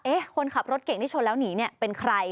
คนขับรถเก่งที่ชนแล้วหนีเนี่ยเป็นใคร